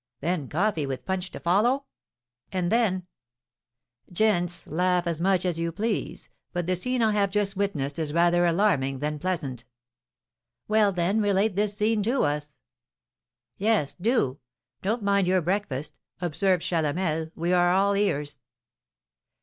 "Then coffee, with punch to follow?" "And then " "Gents, laugh as much as you please; but the scene I have just witnessed is rather alarming than pleasant." "Well, then, relate this scene to us." "Yes, do. Don't mind your breakfast," observed Chalamel; "we are all ears."